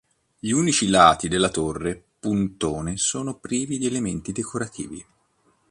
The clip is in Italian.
Gli unici lati della torre puntone sono privi di elementi decorativi.